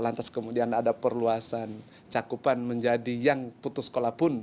lantas kemudian ada perluasan cakupan menjadi yang putus sekolah pun